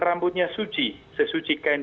rambutnya suci sesuci kain